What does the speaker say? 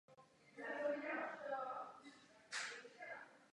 Na jeho prvním pilíři jsou vyznačeny výšky povodní.